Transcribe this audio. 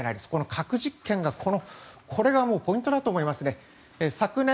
核実験がこれがポイントだと思いますね。